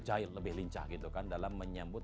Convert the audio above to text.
agile lebih lincah dalam menyambut